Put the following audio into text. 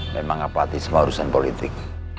memang ngapati semua urusan politik